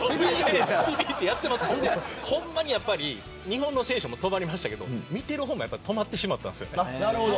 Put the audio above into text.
日本の選手も止まりましたけど見てる方も止まってしまったんです。